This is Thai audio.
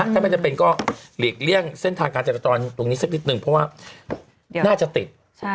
ถ้าไม่จำเป็นก็หลีกเลี่ยงเส้นทางการจราจรตรงนี้สักนิดนึงเพราะว่าน่าจะติด